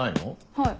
はい。